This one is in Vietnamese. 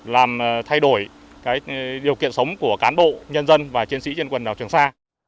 làm thay đổi điều kiện sống của cán bộ nhân dân và chiến sĩ trên quần đảo trường sa